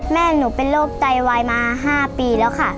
แม่หนูเป็นโรคไตวายมา๕ปีแล้วค่ะ